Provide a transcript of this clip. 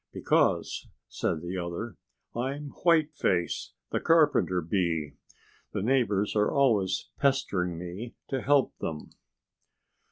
"Because," said the other, "I'm Whiteface, the Carpenter Bee. The neighbors are always pestering me to help them."